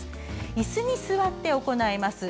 いすに座って行います。